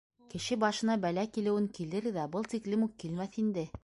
Кеше башына бәлә килеүен килер ҙә, был тиклем үк килмәҫ инде.